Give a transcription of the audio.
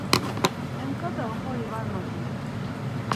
Hemǩata oxori var maziru.